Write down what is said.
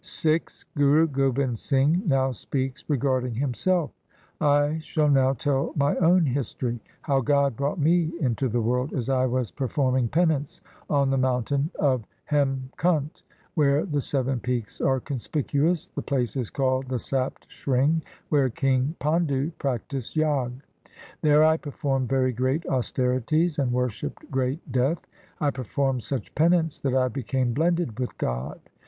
VI Guru Gobind Singh now speaks regarding himself: — I shall now tell my own history, How God brought me into the world as I was performing penance On the mountain of Hem Kunt, 1 Where the seven peaks are conspicuous — The place is called the Sapt Shring 2 — Where King Pandu practised Jog. There I performed very great austerities And worshipped Great death. I performed such penance That I became blended with God.